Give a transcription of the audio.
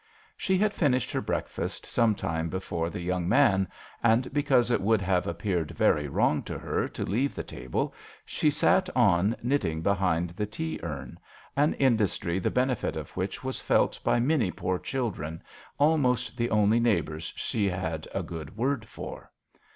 She had finished her breakfast some time before the young man, and because it would have ap peared very wrong to her to leave the table, she sat on knitting be hind the tea urn : an industry the benefit of which was felt by many poor children almost the only neighbours she had a good word for.